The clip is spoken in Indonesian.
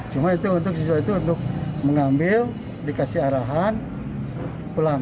cuma itu untuk siswa itu untuk mengambil dikasih arahan pulang